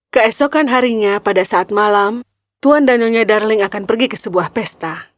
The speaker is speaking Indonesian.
keesokan harinya pada saat malam tuan dan nyonya darling akan pergi ke sebuah pesta